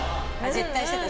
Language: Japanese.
絶対してた。